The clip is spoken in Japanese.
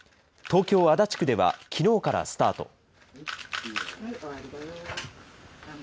東京・足立区ではきのうからスタート。